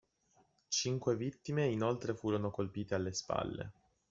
Cinque vittime inoltre furono colpite alle spalle.